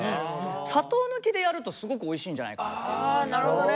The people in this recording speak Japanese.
砂糖抜きでやるとすごくおいしいんじゃないかな。